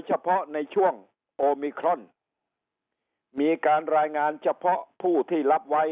เฉพาะในช่วงโอมิครอนมีการรายงานเฉพาะผู้ที่รับไว้